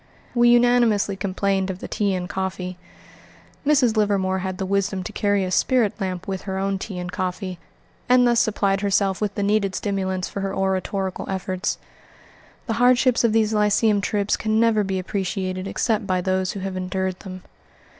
We unanimously complained of the tea and coffee. Mrs. Livermore had the wisdom to carry a spirit lamp with her own tea and coffee, and thus supplied herself with the needed stimulants for her oratorical efforts. The hardships of these lyceum trips can never be appreciated except by those who have endured them.